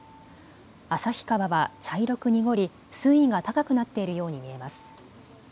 旭川は茶色く濁り、水位が高くなっているように見えます。